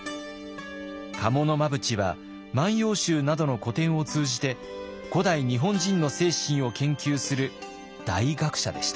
賀茂真淵は「万葉集」などの古典を通じて古代日本人の精神を研究する大学者でした。